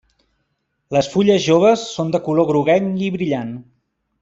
Les fulles joves són de color groguenc i brillant.